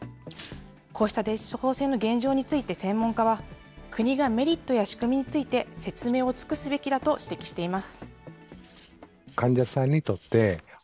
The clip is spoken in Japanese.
こうした電子処方箋の現状について専門家は、国がメリットや仕組みについて説明を尽くすべきだと指摘しています。